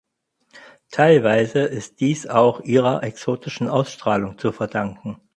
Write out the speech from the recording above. Teilweise ist dies auch ihrer exotischen Ausstrahlung zu verdanken.